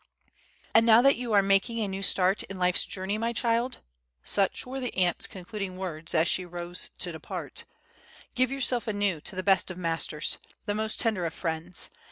"And now that you are making a new start in life's journey, my child," such were the aunt's concluding words as she rose to depart, "give yourself anew to the best of Masters, the most tender of Friends.